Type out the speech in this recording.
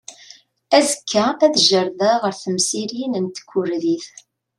Azekka ad jerrdeɣ ar temsirin n tkurdit.